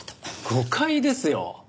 誤解ですよ。